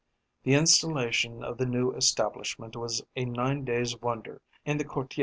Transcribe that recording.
The installation of the new establishment was a nine days' wonder in the quartier.